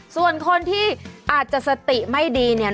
ส่วนคนที่อาจจะสติไม่ดีเนี่ย